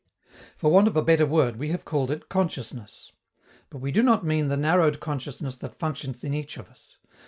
For want of a better word we have called it consciousness. But we do not mean the narrowed consciousness that functions in each of us.